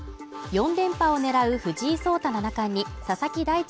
４連覇を狙う藤井聡太七冠に佐々木大地